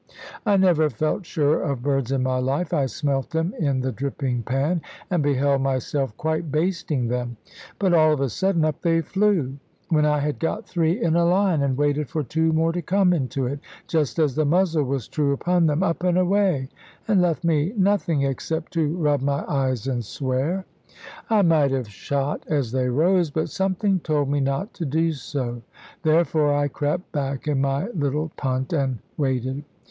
I never felt surer of birds in my life; I smelt them in the dripping pan, and beheld myself quite basting them, but all of a sudden, up they flew, when I had got three in a line, and waited for two more to come into it, just as the muzzle was true upon them up and away, and left me nothing except to rub my eyes and swear. I might have shot as they rose, but something told me not to do so. Therefore I crept back in my little punt, and waited.